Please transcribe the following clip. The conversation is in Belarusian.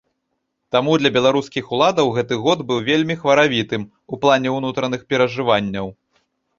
Таму для беларускіх уладаў гэты год быў вельмі хваравітым у плане ўнутраных перажыванняў.